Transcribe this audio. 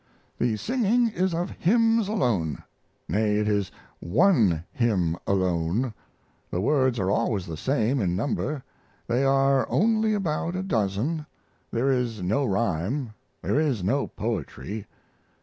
The singing is of hymns alone. Nay, it is one hymn alone. The words are always the same in number they are only about a dozen there is no rhyme there is no poetry.